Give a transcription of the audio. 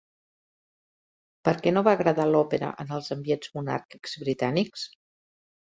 Per què no va agradar l'òpera en els ambients monàrquics britànics?